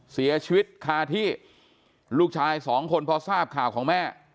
เสียชีวิตคาที่ลูกชายสองคนพอทราบข่าวของแม่